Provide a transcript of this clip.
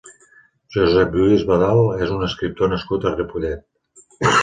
Josep Lluís Badal és un escriptor nascut a Ripollet.